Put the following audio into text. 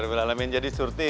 beralamin jadi surti